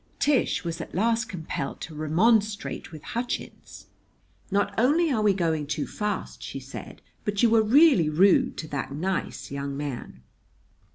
Tish was at last compelled to remonstrate with Hutchins. "Not only are we going too fast," she said, "but you were really rude to that nice young man."